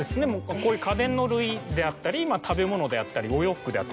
こういう家電の類であったり食べ物であったりお洋服。